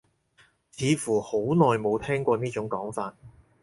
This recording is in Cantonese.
似乎好耐冇聽過呢種講法